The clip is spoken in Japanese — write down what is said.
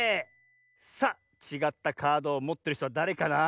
さあちがったカードをもってるひとはだれかな？